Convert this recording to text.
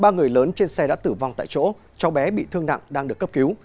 ba người lớn trên xe đã tử vong tại chỗ cháu bé bị thương nặng đang được cấp cứu